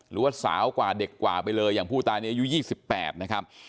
หรือว่าสาวกว่าเด็กกว่าไปเลยอย่างผู้ตายในอายุ๒๘นะครับ